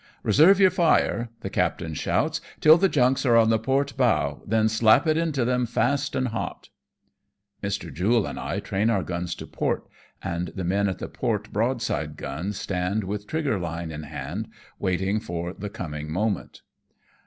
" Eeserve your fire," the captain shouts, " till the junks are on the port bow, then slap it into them fast and hot." Mr. Jule and I train our guns to port, and the men at the port broadside guns stand with trigger line in hand, waiting for the coming moment.